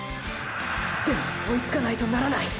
でも追いつかないとならない！！